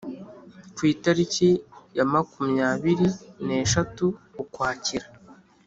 ku itariki ya makumyabiri neshatu ukwakira